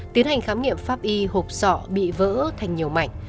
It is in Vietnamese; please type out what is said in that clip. tiến hành khám nghiệm pháp y hộp sọ bị vỡ thành nhiều mảnh